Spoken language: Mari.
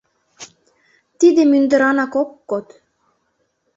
Тиде мӱндыранак ок код.